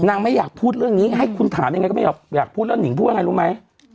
ไม่อยากพูดเรื่องนี้ให้คุณถามยังไงก็ไม่อยากพูดแล้วนิงพูดว่าไงรู้ไหม